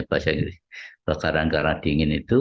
kebakaran karena dingin itu